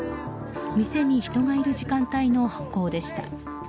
店に人がいる時間帯の犯行でした。